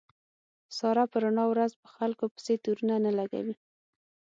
ساره په رڼا ورځ په خلکو پسې تورو نه لګوي.